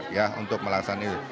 ya untuk melaksanakan itu